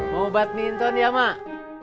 mau badminton ya mak